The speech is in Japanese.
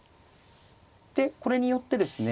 でこれによってですね